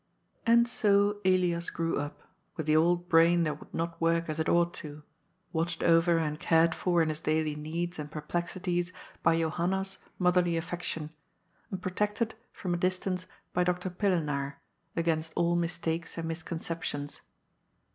*' Akd so Elias grew up, with the old brain that would not work as it ought to, watched over and cared for in his daily needs and perplexities by Johanna's motherly affection, and protected, from a distance, by Doctor Pillenaar, against all mistakes and misconceptions.